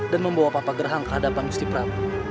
dan membawa papa gerhang ke hadapan gusti prabu